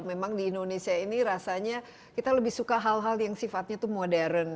memang di indonesia ini rasanya kita lebih suka hal hal yang sifatnya itu modern